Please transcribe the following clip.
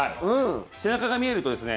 背中が見えるとですね